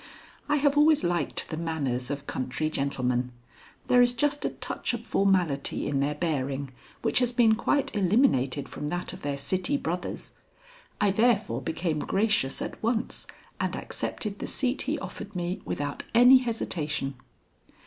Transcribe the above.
I have always liked the manners of country gentlemen. There is just a touch of formality in their bearing which has been quite eliminated from that of their city brothers. I therefore became gracious at once and accepted the seat he offered me without any hesitation.